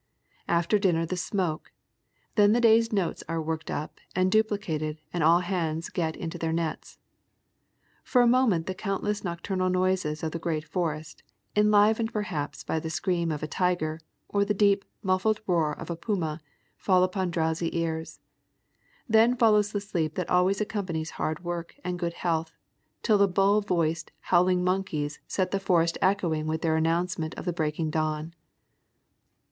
After dinner the smoke, then the day's notes are worked up and duplicated and all hands get into their nets. For a moment the countless nocturnal noises of the great forest, enlivened perhaps by the scream of a tiger, or the deep, muffled roar of a puma, fall upon drowsy ears, then follows the sleep that always accompanies hard work and good health, till the bull voiced howling monkeys set the forest echo ing with their announcement of the breaking dawn.